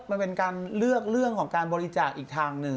มันเป็นการเลือกเรื่องของการบริจาคอีกทางหนึ่ง